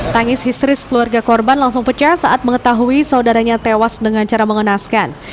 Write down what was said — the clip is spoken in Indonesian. tangis histeris keluarga korban langsung pecah saat mengetahui saudaranya tewas dengan cara mengenaskan